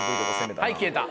はい消えた。